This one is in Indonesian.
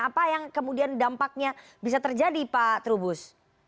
apa yang kemudian dampaknya bisa terjadi pak trubus